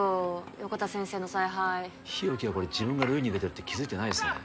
横田先生の采配日沖はこれ自分が塁に出てるって気づいてないですね